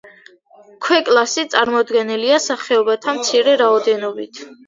ქვეკლასი წარმოდგენილია სახეობათა მცირე რაოდენობით.